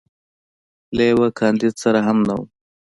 له یوه کاندید سره هم نه وم.